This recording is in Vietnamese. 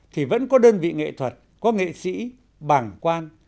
thì vẫn có đơn vị nghệ thuật có nghệ sĩ bảng quan